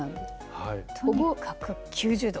とにかく９０度。